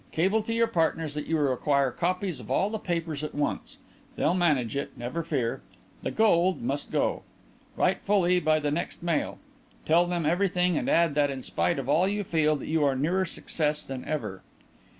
Cable to your partners that you require copies of all the papers at once. They'll manage it, never fear. The gold ... must go. Write fully by the next mail. Tell them everything and add that in spite of all you feel that you are nearer success than ever."